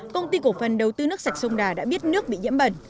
công ty cổ phần đầu tư nước sạch sông đà đã biết nước bị nhiễm bẩn